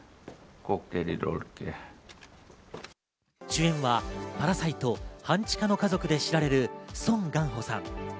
主演は『パラサイト半地下の家族』で知られる、ソン・ガンホさん。